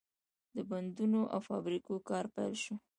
د بندونو او فابریکو کار پیل شو.